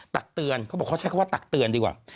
ตักเตือนเขาบอกเขาใช้คำว่าตักเตือนดีกว่า